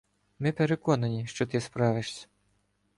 Ми переконані, що ти справишся.